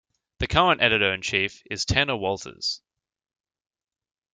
The current editor in chief is Tanner Walters.